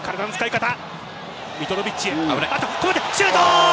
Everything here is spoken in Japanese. シュート！